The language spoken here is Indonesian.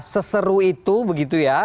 seseru itu begitu ya